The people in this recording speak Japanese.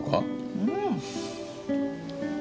うん。